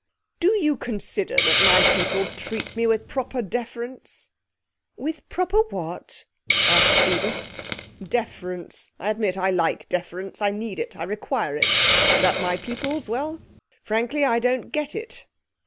Do you consider that my people treat me with proper deference?' 'With proper what?' asked Edith. 'Deference. I admit I like deference. I need it I require it; and at my people's well, frankly, I don't get it.'